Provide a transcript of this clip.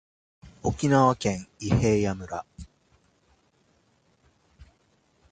沖縄県伊平屋村